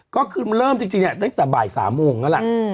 ก็คือเริ่มจริงเนี่ยตั้งแต่บ่าย๓โมงนั่นแหละ